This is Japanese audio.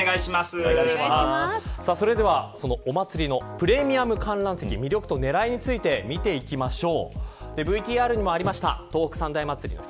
それでは、お祭りのプレミアム観覧席、魅力と狙いについて見ていきましょう。